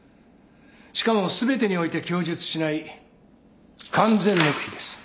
しかも全てにおいて供述しない完全黙秘です。